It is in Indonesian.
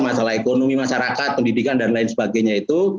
masalah ekonomi masyarakat pendidikan dan lain sebagainya itu